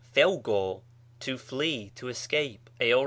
φεύγω, to flee, to escape; aor.